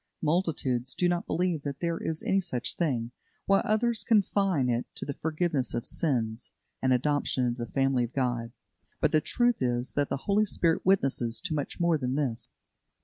Multitudes do not believe that there is any such thing, while others confine it to the forgiveness of sins and adoption into the family of God. But the truth is that the Holy Spirit witnesses to much more than this.